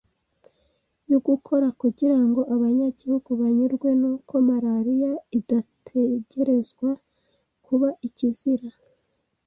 y'ugukora kugira ngo abanyagihugu banyurwe n'uko malaria idategerezwa kuba ikiza.